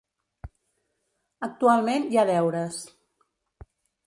Actualment, hi ha deures.